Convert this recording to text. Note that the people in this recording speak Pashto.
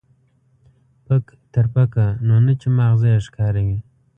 پک تر پکه، نو نه چې ما غزه يې ښکاره وي.